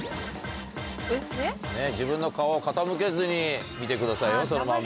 自分の顔を傾けずに見てくださいよそのまま。